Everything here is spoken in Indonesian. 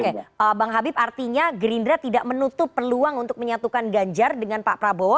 oke bang habib artinya gerindra tidak menutup peluang untuk menyatukan ganjar dengan pak prabowo